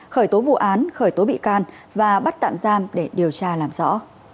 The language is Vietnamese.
khởi tố vụ án khởi tố bị can và bắt tạm giam để điều tra làm rõ